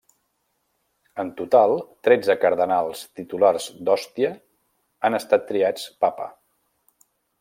En total, tretze cardenals titulars d'Òstia han estat triats Papa.